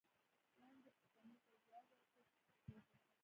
لاندې پوښتنو ته ځواب ورکړئ په پښتو ژبه.